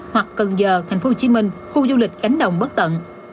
hoặc gần giờ thành phố hồ chí minh khu du lịch cánh đồng bất tận